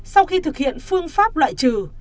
sau khi thực hiện phương pháp loại trừ